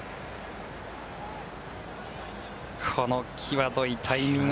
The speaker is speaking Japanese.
この際どいタイミング。